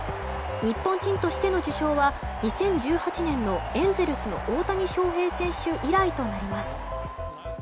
日本人としての受賞は２０１８年のエンゼルスの大谷翔平選手以来となります。